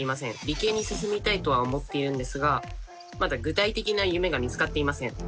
理系に進みたいとは思っているんですがまだ具体的な夢が見つかっていません。